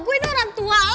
gue ini orang tua